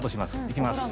いきます。